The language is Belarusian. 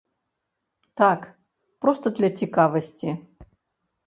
Так, проста для цікавасці.